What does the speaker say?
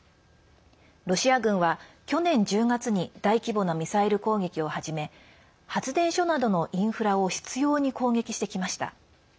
ロシア軍は去年１０月に大規模なミサイル攻撃を始め発電所などのインフラを執ように攻撃してきました。